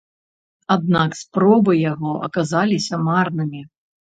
Аднак спробы яго аказаліся марнымі.